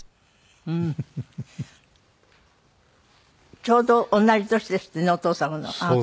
ちょうど同じ年ですってねお父様のあの時。